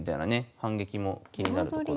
反撃も気になるところ。